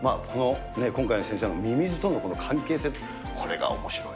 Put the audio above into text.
今回の先生のミミズとのこの関係性、これがおもしろい。